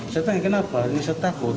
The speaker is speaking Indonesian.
saya tanya kenapa ini saya takut